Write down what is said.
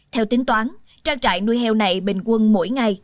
theo tính toán trang trại nuôi heo này bình quân mỗi ngày